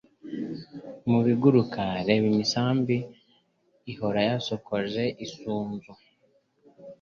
Mu biguruka, reba imisambi ihora yasokoje isunzu,